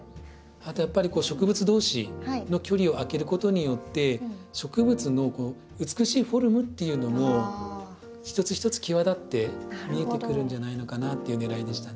あとやっぱり植物同士の距離を空けることによって植物の美しいフォルムっていうのも一つ一つ際立って見えてくるんじゃないのかなっていうねらいでしたね。